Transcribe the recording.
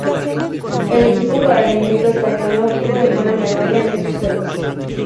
El equipo paralímpico español no obtuvo ninguna medalla en estos Juegos.